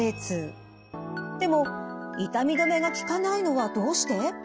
でも痛み止めが効かないのはどうして？